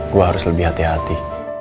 gue harus lebih hati hati